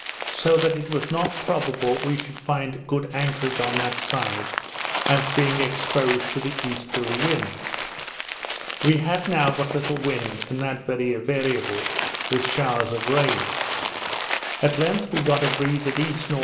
so that it was not probable we should find good anchorage on that side, as being exposed to the easterly winds. We had now but little wind, and that very variable, with showers of rain. At length we got a breeze at E.N.E.